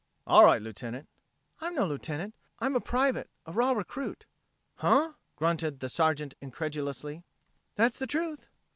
"All right, Lieutenant." "I'm no Lieutenant I'm a private, a raw recruit." "Huh?" grunted the Sergeant incredulously. "That's the truth."